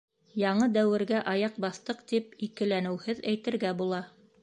Яңы дәүергә аяҡ баҫтыҡ, тип икеләнеүһеҙ әйтергә була.